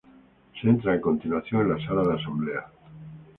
Se entra a continuación en la sala de asamblea.